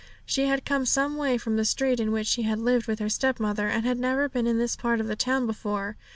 She had come some way from the street in which she had lived with her stepmother, and had never been in this part of the town before.